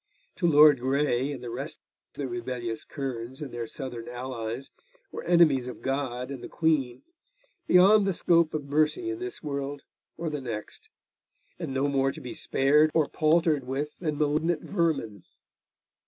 To Lord Grey and the rest the rebellious kerns and their Southern allies were enemies of God and the Queen, beyond the scope of mercy in this world or the next, and no more to be spared or paltered with than malignant vermin.